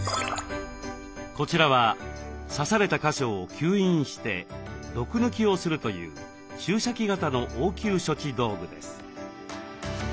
こちらは刺された箇所を吸引して毒抜きをするという注射器型の応急処置道具です。